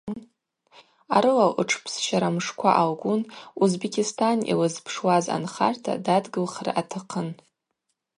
Арыла лтшпсщара мшква алгун, Узбекистан йлызпшуаз анхарта дадгылхра атахъын.